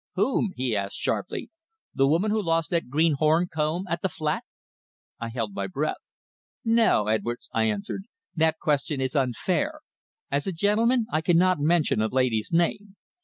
"Whom?" he asked sharply. "The woman who lost that green horn comb at the flat?" I held my breath. "No, Edwards," I answered, "That question is unfair. As a gentleman, I cannot mention a lady's name.